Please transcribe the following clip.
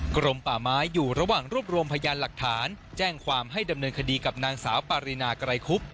กรมป่าไม้อยู่ระหว่างรวบรวมพยานหลักฐานแจ้งความให้ดำเนินคดีกับนางสาวปารินาไกรคุบ